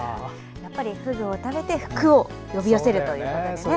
やっぱり、フグを食べて福を呼び寄せるということで。